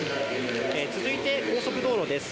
続いて、高速道路です。